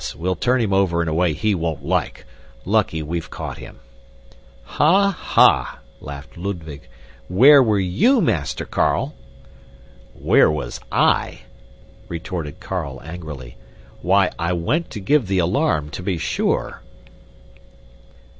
We'll turn him over in a way he won't like. Lucky we've caught him!" "Ha! ha!" laughed Ludwig. "Where were you, Master Carl?" "Where was I?" retorted Carl angrily. "Why, I went to give the alarm, to be sure!"